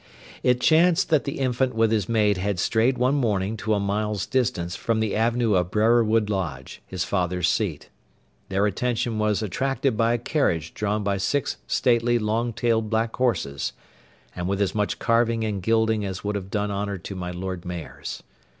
It chanced that the infant with his maid had strayed one morning to a mile's distance from the avenue of Brerewood Lodge, his father's seat. Their attention was attracted by a carriage drawn by six stately long tailed black horses, and with as much carving and gilding as would have done honour to my lord mayor's.